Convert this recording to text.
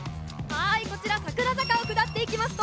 こちら桜坂を下っていきますと